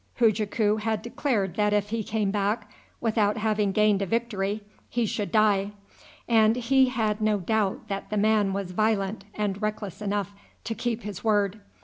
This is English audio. Hujaku had declared that if he came back without having gained a victory he should die, and he had no doubt that the man was violent and reckless enough to keep his word.